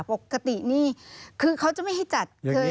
ปกตินี่คือเขาจะไม่ให้จัด